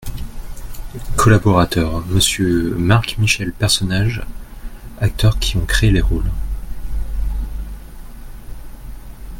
COLLABORATEURS : Monsieur MARC-MICHEL PERSONNAGES Acteurs qui ontcréé les rôles.